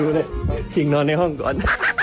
โอเคงั้นชิงนอนในห้องก่อน